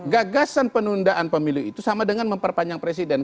gagasan penundaan pemilu itu sama dengan memperpanjang presiden